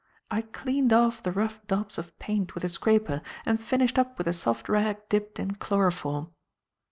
I cleaned off the rough daubs of paint with a scraper and finished up with a soft rag dipped in chloroform."